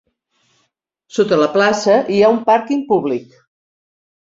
Sota la plaça hi ha un pàrquing públic.